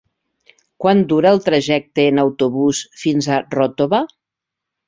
Quant dura el trajecte en autobús fins a Ròtova?